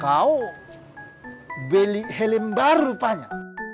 atau beli helm baru rupanya